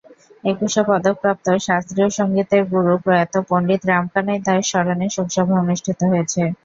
একুশে পদকপ্রাপ্ত শাস্ত্রীয় সংগীতের গুরু প্রয়াত পণ্ডিত রামকানাই দাশ স্মরণে শোকসভা অনুষ্ঠিত হয়েছে।